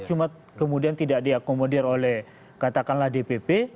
cuma kemudian tidak diakomodir oleh katakanlah dpp